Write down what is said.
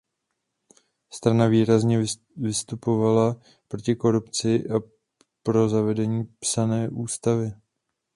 Strana výrazně vstupovala proti korupci a pro zavedení psané ústavy.